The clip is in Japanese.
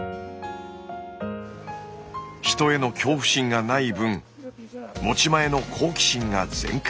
人への恐怖心がない分持ち前の好奇心が全開。